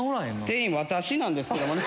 店員私なんですけどもね。